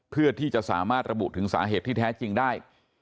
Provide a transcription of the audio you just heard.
เพื่อที่จะสามารถระบุถึงสาเหตุที่แท้จริงได้